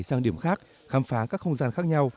sang điểm khác khám phá các không gian khác nhau